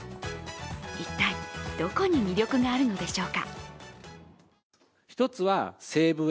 一体、どこに魅力があるのでしょうか？